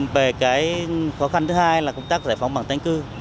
về khó khăn thứ hai là công tác giải phóng bằng tái định cư